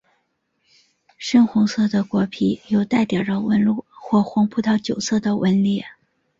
深橙色的果皮有带点的纹路或红葡萄酒色的纹理。